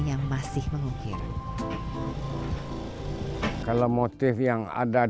kemampuan mereka membuat ukirnya menjadi suatu perkembangan yang sangat menarik dan menarik untuk penjelajah yang terjadi di nagari ini